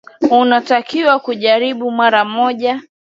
Unatakiwa kujaribu mara moja.